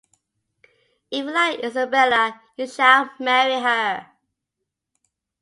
If you like Isabella, you shall marry her.